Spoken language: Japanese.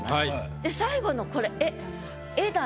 で最後のこれ「へ」。